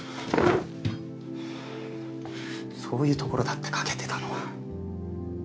そういうところだって欠けてたのは。